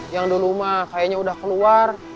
yang dulu mah kayaknya udah keluar